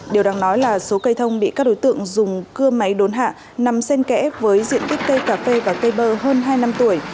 điều đáng nói là số cây thông bị các đối tượng dùng cưa máy đốn hạ nằm sen kẽ với diện tích cây cà phê và cây bơ hơn hai năm tuổi